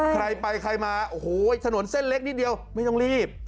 ใครไปใครมาโอ้โหถนนเส้นเล็กนิดเดียวไม่ต้องรีบ